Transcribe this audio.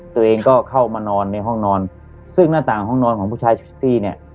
ตัวเองก็เข้ามานอนในห้องนอนซึ่งหน้าต่างห้องนอนของผู้ชายชิตตี้เนี่ย